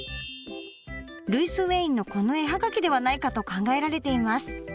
ルイス・ウェインのこの絵葉書ではないかと考えられています。